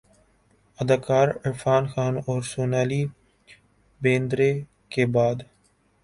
اداکار عرفان خان اورسونالی بیندرے کے بعد